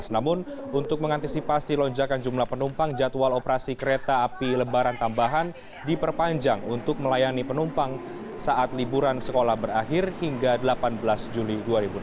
namun untuk mengantisipasi lonjakan jumlah penumpang jadwal operasi kereta api lebaran tambahan diperpanjang untuk melayani penumpang saat liburan sekolah berakhir hingga delapan belas juli dua ribu enam belas